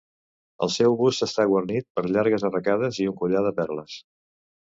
El seu bust està guarnit per llargues arracades i un collar de perles.